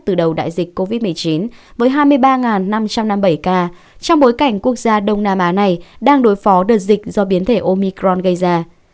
từ đầu đại dịch covid một mươi chín với hai mươi ba năm trăm năm mươi bảy ca trong bối cảnh quốc gia đông nam á này đang đối phó đợt dịch do biến thể omicron gây ra